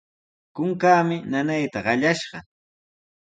Kunkaami nanayta qallashqa.